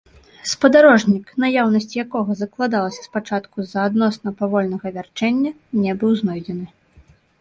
Спадарожнік, наяўнасць якога закладалася спачатку з-за адносна павольнага вярчэння, не быў знойдзены.